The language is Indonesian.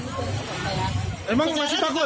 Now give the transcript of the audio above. ya dulu pulangnya masih pagi udah ngebetul